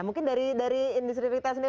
mungkin dari industri retail sendiri